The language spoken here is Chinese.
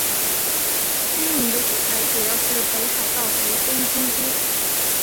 电影的舞台主要是北海道和东京都。